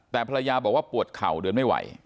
แต่ภรรยาบอกว่าปวดเข่าเดินไม่ไหว